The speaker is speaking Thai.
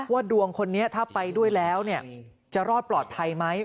ว่าดวงคนนี้ถ้าไปด้วยแล้วจะรอดปลอดภัยไหม